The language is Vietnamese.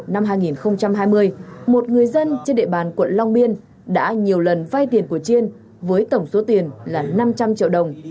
năm hai nghìn hai mươi một người dân trên địa bàn quận long biên đã nhiều lần vay tiền của chiên với tổng số tiền là năm trăm linh triệu đồng